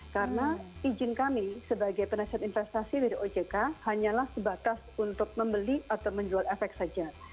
karena izin kami sebagai penasihat investasi dari ojk hanyalah sebatas untuk membeli atau menjual efek saja